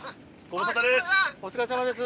お疲れさまです。